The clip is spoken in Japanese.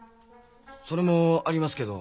それもありますけど。